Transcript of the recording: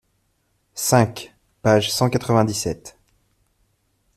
cinq, page cent quatre-vingt-dix-sept.